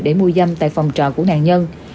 để mua dâm tại phòng trọ của nạn nhân